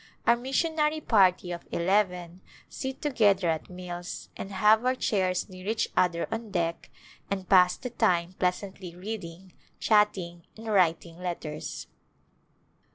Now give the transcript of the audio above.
Our missionary party of eleven sit together at meals and have our chairs near each other on deck and pass the time pleasantly in reading, chatting and writing letters.